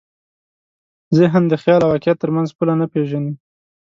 ذهن د خیال او واقعیت تر منځ پوله نه پېژني.